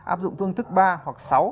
áp dụng phương thức ba hoặc sáu